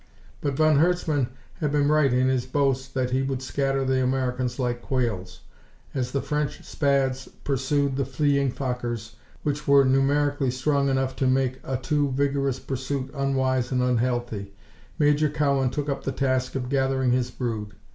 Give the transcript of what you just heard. But von Herzmann had been right in his boast that he would scatter the Americans like quails. As the French Spads pursued the fleeing Fokkers, which were numerically strong enough to make a too vigorous pursuit unwise and unhealthy, Major Cowan took up the task of gathering his brood.